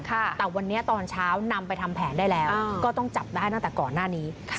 แต่วันนี้ตอนเช้านำไปทำแผนได้แล้วก็ต้องจับได้ตั้งแต่ก่อนหน้านี้